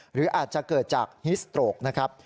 หรืออาจจะเกิดจากฮิสโตรกนะครับ